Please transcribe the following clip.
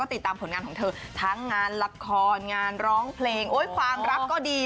ติดตามผลงานของเธอทั้งงานละครงานร้องเพลงโอ้ยความรักก็ดี